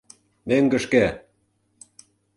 Мӧҥгышкӧ!»